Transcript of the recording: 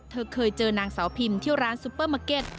เธอเคยเจอนางสาวพิมที่ร้านซุปเปอร์มาร์เก็ต